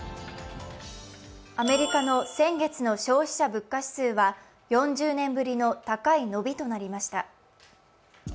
アメリカの先月の消費者物価指数は４０年ぶりの高い伸びとなりました。